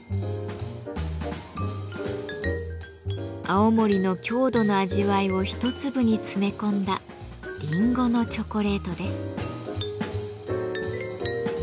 青森の郷土の味わいを一粒に詰め込んだりんごのチョコレートです。